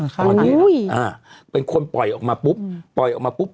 คือคือคือคือคือ